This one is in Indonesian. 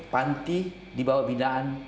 panti dibawa binaan